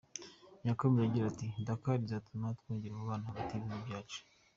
Yakomeje agira ati “Dakar izatuma twongera umubano hagati y’ibihugu byacu.